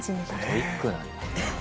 ストイックなんだ。